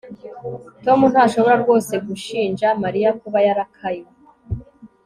tom ntashobora rwose gushinja mariya kuba yarakaye